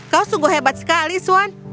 kau sungguh hebat sekali suan